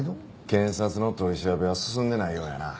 検察の取り調べは進んでないようやな。